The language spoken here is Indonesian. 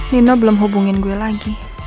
nino belum hubungin gue lagi